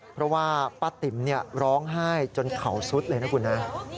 เพราะว่าป้าติ๋มร้องไห้จนเข่าสุดเลยนะคุณฮะ